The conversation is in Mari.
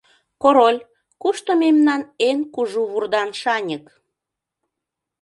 Король, кушто мемнан эн кужу вурдан шаньык?